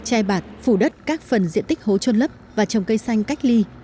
che bạt phủ đất các phần diện tích hố trôn lấp và trồng cây xanh cách ly